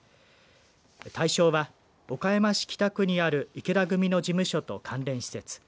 対象は、岡山市北区にある池田組の事務所と関連施設。